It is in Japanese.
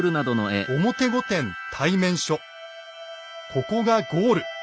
ここがゴール。